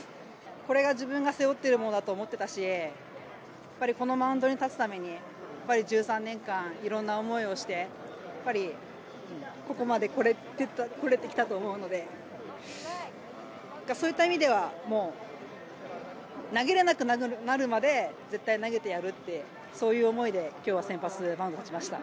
これが自分が背負ってるものだと思ってたし、やっぱりこのマウンドに立つために、やっぱり１３年間いろんな思いをして、やっぱり、ここまで来れてきたと思うので、そういった意味ではもう、投げれなくなるまで絶対投げてやるって、そういう思いできょうは先発マウンド立ちました。